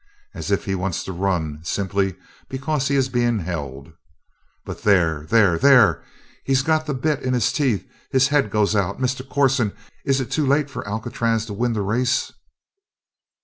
As if he wants to run simply because he is being held. But there there there! He's got the bit in his teeth. His head goes out. Mr. Corson, is it too late for Alcatraz to win the race?"